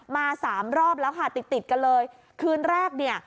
สามรอบแล้วค่ะติดติดกันเลยคืนแรกเนี่ย